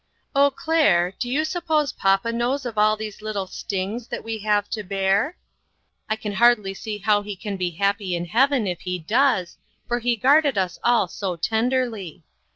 " Oh, Claire, do you suppose papa knows of all these little stings that we have to bear ? I can hardly see how he can be happy in heaven if he does, for he guarded us all so tenderly.